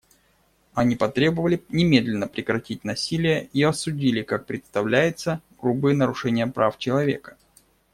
Они потребовали немедленно прекратить насилие и осудили, как представляется, грубые нарушения прав человека.